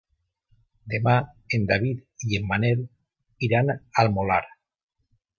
Demà en David i en Manel iran al Molar.